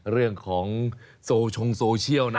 เรื่องของโซชงโซเชียลนะ